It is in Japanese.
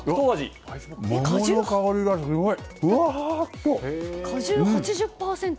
桃の香りがすごい！